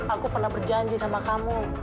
aku pernah berjanji sama kamu